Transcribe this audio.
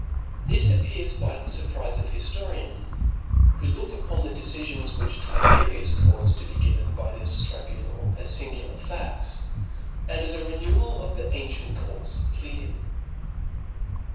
This appears by the furprize of hiftorians, who look upon the decifions which Tiberius caufed to be given by this tribunal, as iingular fads, and as a renewal of the ancient courfe of pleading.